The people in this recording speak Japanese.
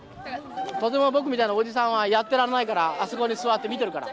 とても僕みたいなおじさんはやってられないからあそこに座って見てるから。